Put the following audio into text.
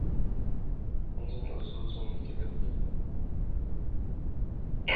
uning o‘zi o‘zimniki deb bilgani va nihoyat, uning haqiqiy xarakteri.